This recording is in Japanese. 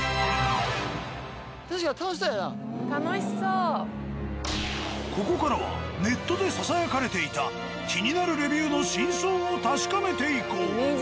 確かにここからはネットでささやかれていた気になるレビューの真相を確かめていこう。